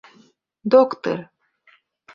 — Доктыр...